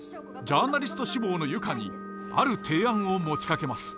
ジャーナリスト志望の由歌にある提案を持ちかけます。